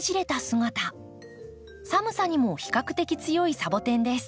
寒さにも比較的強いサボテンです。